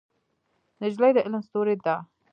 نجلۍ د علم ستورې ده.